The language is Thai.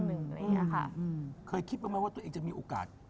ทั้งห้องหนึ่งแล้วอย่างเนี้ยค่ะอืมอืมอืมเคยคิดประมาณว่าตัวเองจะมีโอกาส